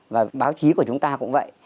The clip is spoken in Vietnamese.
và báo chí của chúng ta cũng vậy